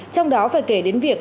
trong đó phải kể đến việc